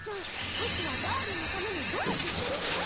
うちはダーリンのために努力してるっちゃ。